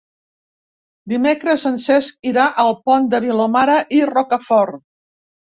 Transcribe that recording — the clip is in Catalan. Dimecres en Cesc irà al Pont de Vilomara i Rocafort.